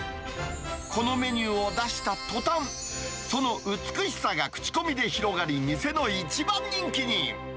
このメニューを出したとたん、その美しさが口コミで広がり、店の一番人気に。